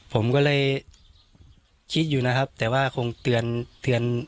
ผมก็เลยคิดอยู่นะครับแต่ว่าคงเตือนเตือน